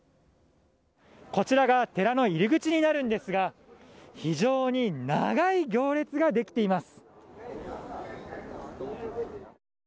こちらが寺の入り口になるんですが非常に長い行列ができています。